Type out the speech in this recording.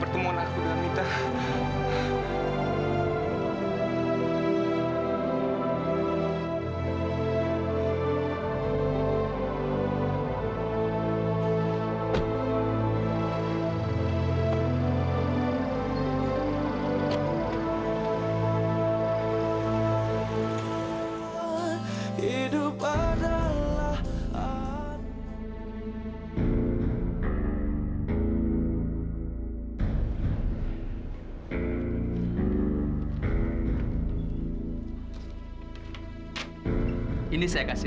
temannya wisnu mbak